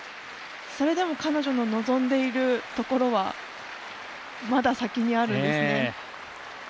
それでも彼女の望んでいるところは先にあるんですね。